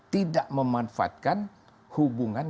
tidak memanfaatkan hubungan